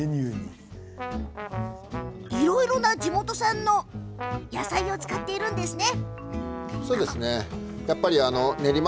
いろんな地元産の野菜を使ってらっしゃるんですね。